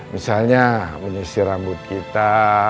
misalnya menyusir rambut kita